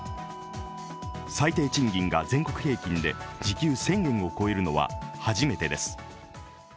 最低賃金が全国平均で時給１０００円を超えるのは初めてです。